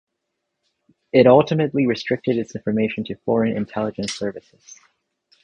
It ultimately restricted its information to foreign intelligence services.